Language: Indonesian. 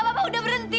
papa udah berhenti